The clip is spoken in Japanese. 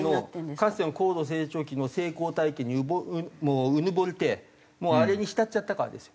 かつての高度成長期の成功体験にもううぬぼれてあれに浸っちゃったからですよ。